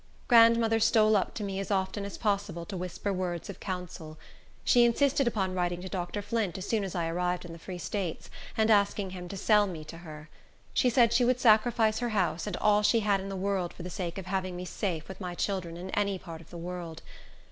Grandmother stole up to me as often as possible to whisper words of counsel. She insisted upon writing to Dr. Flint, as soon as I arrived in the Free States, and asking him to sell me to her. She said she would sacrifice her house, and all she had in the world, for the sake of having me safe with my children in any part of the world.